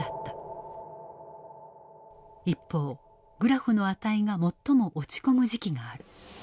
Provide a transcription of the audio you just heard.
一方グラフの値が最も落ち込む時期がある。